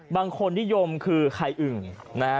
บางคนนิยมคือถ้าใครอึ่งนะฮะ